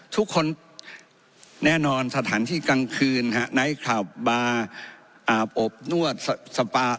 ทุกคนแน่นอนสถานที่กลางคืนไนท์คลับบาร์อาบอบนวดสปา